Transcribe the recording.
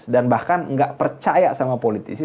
dan bahkan gak percaya sama politisi